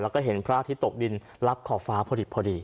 แล้วก็เห็นพระอาทิตย์ตกดินรับขอบฟ้าพอดี